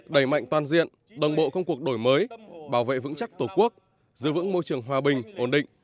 đẩy mạnh toàn diện đồng bộ công cuộc đổi mới bảo vệ vững chắc tổ quốc giữ vững môi trường hòa bình ổn định